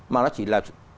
mà nó chỉ là